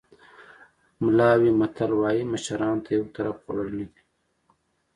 ملاوي متل وایي مشرانو ته یو طرفه خوړل نه دي.